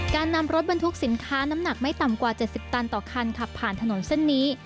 การนำรถบรรทุกสินค้าน้ำหนักไม่ต่ำกว่า๗๐ตันต่อคันขับผ่านถนนเส้นนี้